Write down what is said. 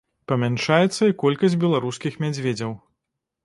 Памяншаецца і колькасць беларускіх мядзведзяў.